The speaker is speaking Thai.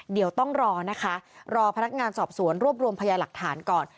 เดี๋ยวต้องรอนะคะรอพนักงานสอบสวนรวบรวมพยาหลักฐานก่อน